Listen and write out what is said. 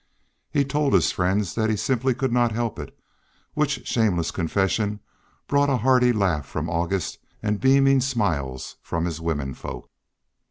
He told his friends that he simply could not help it, which shameless confession brought a hearty laugh from August and beaming smiles from his women folk.